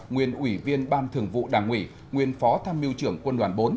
nguyên ủy viên ban thường vụ đảng ủy nguyên phó tham mưu trưởng quân đoàn bốn